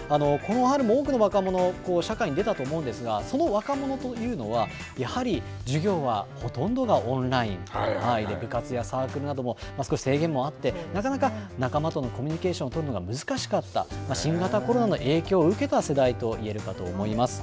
さまざまな研修が今、行われていると思いますけれども、この春、多くの若者、社会に出たと思うんですが、その若者というのは、やはり授業はほとんどがオンライン、部活やサークルなども少し制限もあって、なかなか仲間とのコミュニケーション取るのが難しかった、新型コロナの影響を受けた世代といえるかと思います。